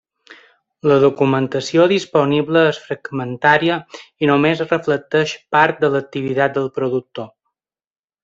La documentació disponible és fragmentària i només reflecteix part de l'activitat del productor.